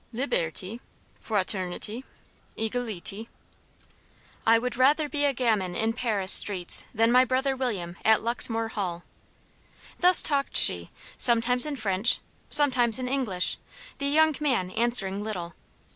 Liberte fraternite egalite. I would rather be a gamin in Paris streets than my brother William at Luxmore Hall." Thus talked she, sometimes in French, sometimes in English, the young man answering little.